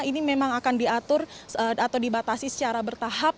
ini memang akan diatur atau dibatasi secara bertahap